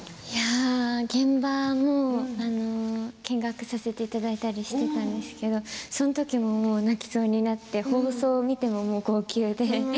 現場も見学させていただいたりしたんですけれどその時も泣きそうになって放送を見ても号泣で。